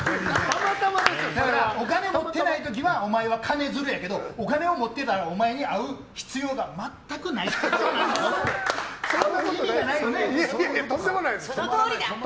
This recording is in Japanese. お金を持ってない時はお前は金づるやけどお金を持ってたらお前に会う必要がそんなことないですよね。